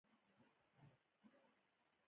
حال دا چې که دا دوه مخي له منځه لاړ شي.